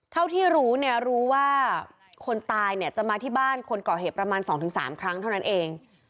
เท่าที่รู้เนี่ยรู้ว่าคนตายเนี่ยจะมาที่บ้านคนก่อเหตุประมาณ๒๓ครั้งเท่านั้นเอง